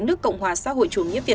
nước cộng hòa xã hội chủ nghĩa